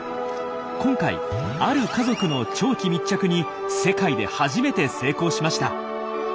今回ある家族の長期密着に世界で初めて成功しました！